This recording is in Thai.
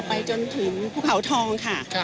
ไปจนถึงภูเขาทองค่ะ